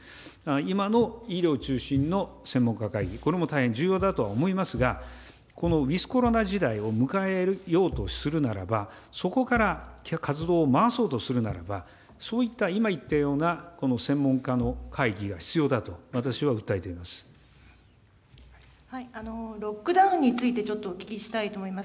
今の医療中心の専門家会議、これも大変重要だとは思いますが、このウィズコロナ時代を迎えようとするならば、そこから活動を回そうとするならば、そういった今言ったような専門家の会議が必要だと私は訴えていまロックダウンについて、ちょっとお聞きしたいと思います。